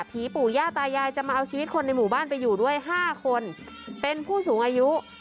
ผีปู่ย่าตายายจะมาเอาชีวิตคนในหมู่บ้านไปอยู่ด้วย๕คนเป็นผู้สูงอายุ